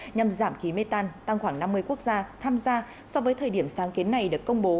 nhằm giảm khí mê tan tăng khoảng năm mươi quốc gia tham gia so với thời điểm sáng kiến này được công bố